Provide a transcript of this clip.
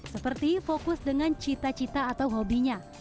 seperti fokus dengan cita cita atau hobinya